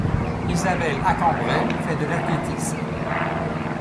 Isabelle Accambray fait de l'athlétisme.